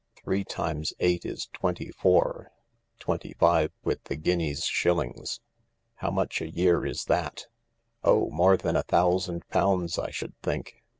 Three times eight is twenty four — twenty five with the guineas shillings. How much a year is that ?"" Oh, more than a thousand pounds, I should think.